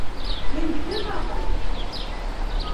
Һин кем, ағай?